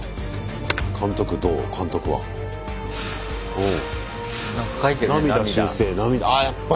うん。